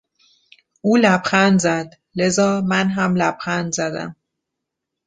او لبخند زد لذا من هم لبخند زدم.